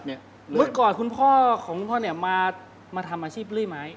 เมื่อก่อนคุณพ่อของคุณพ่อมาทำอาชีพเลื่อยไม้